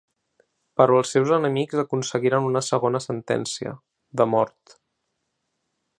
Però els seus enemics aconseguiren una segona sentència: de mort.